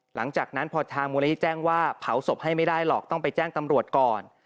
หลังจากนั้นพอทางมูลนิธิแจ้งว่าเผาศพให้ไม่ได้หรอกต้องไปแจ้งตำรวจก่อน